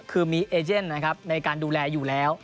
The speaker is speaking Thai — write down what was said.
คือมีเอเจนนะครับในการดูแลอยู่แล้ว